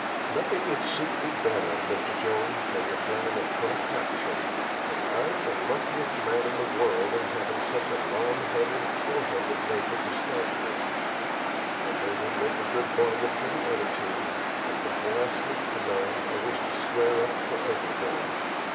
"Nothing would suit me better, Mr. Jones, than your plan of prompt action, and I'm the luckiest man in the world in having such a long headed, fore handed neighbor to start with. I know you'll make a good bargain for the other team, and before I sleep to night I wish to square up for everything.